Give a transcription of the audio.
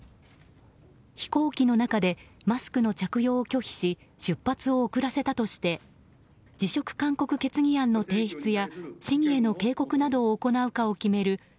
飛行機の中でマスクの着用を拒否し出発を遅らせたとして辞職勧告決議案の提出や市議への警告などを行うか決める